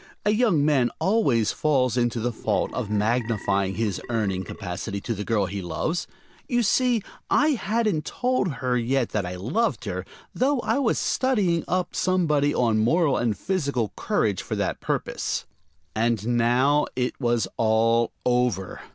A young man always falls into the fault of magnifying his earning capacity to the girl he loves. You see, I hadn't told her yet that I loved her, though I was studying up somebody on Moral and Physical Courage for that purpose. And now it was all over!